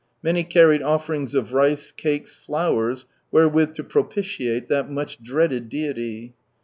Many carried offerings of rice, cakes, Dowers, wherewith to propitiate that much dreaded deity.